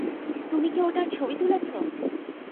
তুমি কি ওটার ছবি তুলেছ?